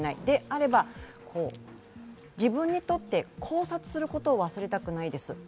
であれば、自分にとって考察することを忘れたくないです。